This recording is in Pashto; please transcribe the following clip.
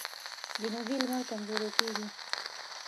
جنوبي لمر کمزوری کیږي.